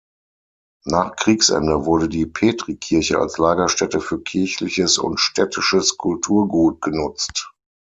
Nach Kriegsende wurde die Petrikirche als Lagerstätte für kirchliches und städtisches Kulturgut genutzt.